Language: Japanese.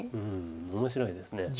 面白いです。